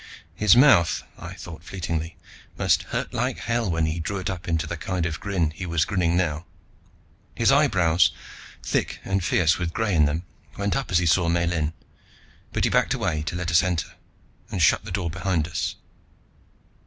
His mouth, I thought fleetingly, must hurt like hell when he drew it up into the kind of grin he was grinning now. His eyebrows, thick and fierce with gray in them, went up as he saw Miellyn; but he backed away to let us enter, and shut the door behind us.